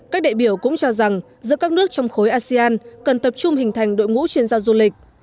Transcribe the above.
các đại biểu cũng cho rằng giữa các nước trong khối asean cần tập trung hình thành đội ngũ chuyên gia du lịch